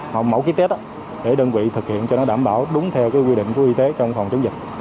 hoặc mẫu kích test để đơn vị thực hiện cho nó đảm bảo đúng theo cái quy định của y tế trong phòng chống dịch